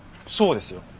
そうですよ。